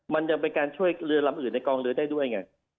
มันยังเป็นการช่วยเรือลำอื่นในกองเรือได้ด้วยไง